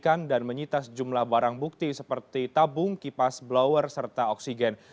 penyelidikan dan menyitas jumlah barang bukti seperti tabung kipas blower serta oksigen